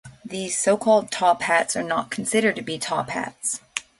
These so-called Top Hats are not considered to be Top Hats.